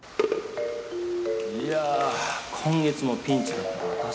いやあ今月もピンチだったから助かったわ。